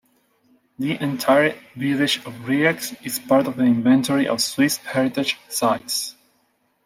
The entire village of Riex is part of the Inventory of Swiss Heritage Sites.